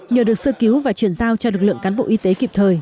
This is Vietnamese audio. nhờ được sơ cứu và chuyển giao cho lực lượng cán bộ y tế kịp thời